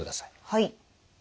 はい。